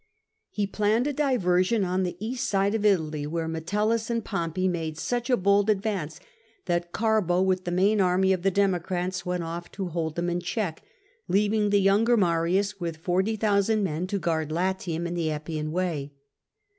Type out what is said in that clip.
He planned a diversion on the east side of Italy, where Metellus and Pompey made such a bold advance that Garbo, with the main army of the Democrats, went off to hold them in check, leaving the younger Marius, with 40,000 men, to guard Latium and the Appian Way.